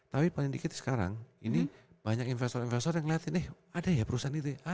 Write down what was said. tapi paling dikit sekarang ini banyak investor investor yang melihat ini ada ya perusahaan itu